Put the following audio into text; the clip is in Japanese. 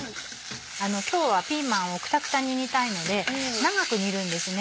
今日はピーマンをクタクタに煮たいので長く煮るんですね。